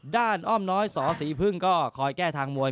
อ้อมน้อยสสีพึ่งก็คอยแก้ทางมวย